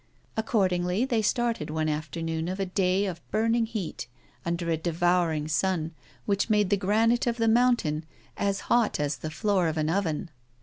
Accordingly, they started one afternoon of a day of burning heat, under a devouring sun, which made the granite of the mountain as hot as the floor of an oven.